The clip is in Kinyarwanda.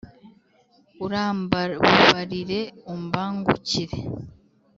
urambabarire umbangukire